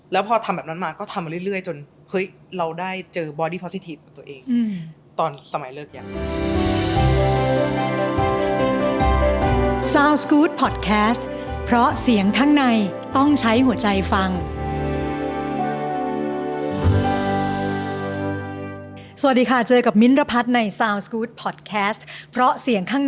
แล้วพอทำแบบนั้นมาก็ทำมาเรื่อยจนเฮ้ยเราได้เจอบอดี้พอซิทีฟของตัวเองตอนสมัยเลิกยัง